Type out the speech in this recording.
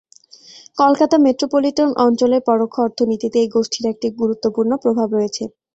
Kolkata metropolitan অঞ্চলের পরোক্ষ অর্থনীতিতে এই গোষ্ঠীর একটি গুরুত্বপূর্ণ প্রভাব রয়েছে।